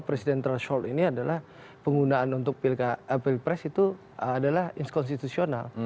presidential short ini adalah penggunaan untuk pilpres itu adalah inskonstitusional